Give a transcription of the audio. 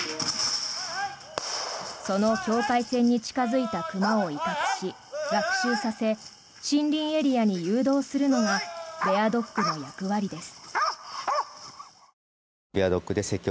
その境界線に近付いた熊を威嚇し学習させ森林エリアに誘導するのがベアドッグの役割です。